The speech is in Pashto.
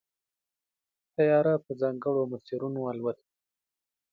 طیاره په ځانګړو مسیرونو الوت کوي.